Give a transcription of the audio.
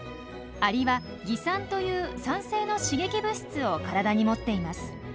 アリは「蟻酸」という酸性の刺激物質を体に持っています。